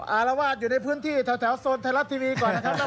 อารวาสอยู่ในพื้นที่แถวโซนไทยรัฐทีวีก่อนนะครับ